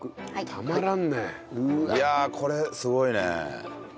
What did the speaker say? いやこれすごいね。